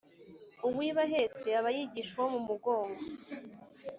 uwiba ahetse aba yigisha uwo mugongo